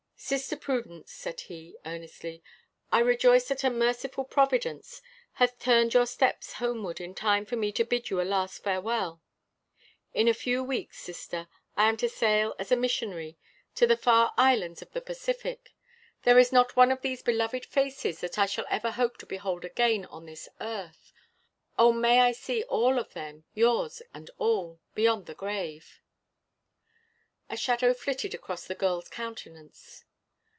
"Sister Prudence," said he, earnestly, "I rejoice that a merciful Providence hath turned your steps homeward in time for me to bid you a last farewell. In a few weeks, sister, I am to sail as a missionary to the far islands of the Pacific. There is not one of these beloved faces that I shall ever hope to behold again on this earth. Oh, may I see all of them yours and all beyond the grave!" A shadow flitted across the girl's countenance.